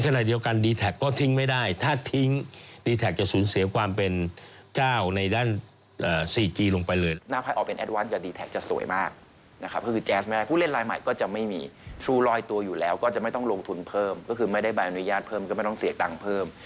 คือไม่ได้ใบอนุญาตเพิ่มก็ไม่ต้องเสียกตังค์เพิ่ม